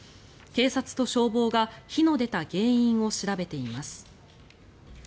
警察と消防が火の出た原因を調べています。